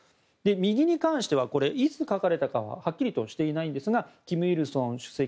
右に関してはいつ描かれたかはっきりとしていないんですが金日成主席